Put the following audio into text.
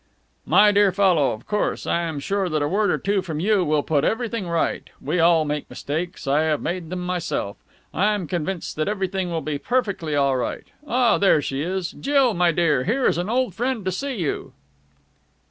"My dear fellow, of course! I am sure that a word or two from you will put everything right. We all make mistakes. I have made them myself. I am convinced that everything will be perfectly all right.... Ah, there she is. Jill, my dear, here is an old friend to see you!"